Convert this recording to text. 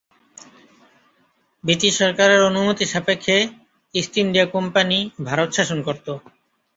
British সরকারের অনুমতি সাপেক্ষে ইস্ট ইন্ডিয়া কোম্পানি ভারত শাসন করতো।